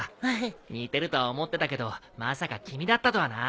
似てるとは思ってたけどまさか君だったとはな。